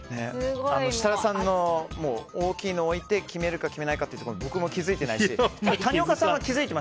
設楽さんの大きいのを置いて決めるか決めないかというところ僕も気付いてないですしはい。